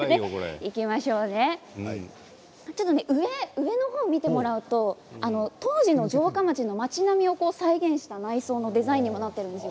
上の方を見てもらうと当時の城下町の町並みを再現した内装のデザインにもなっているんですよ。